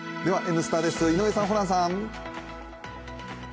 「Ｎスタ」です、井上さん、ホランさん。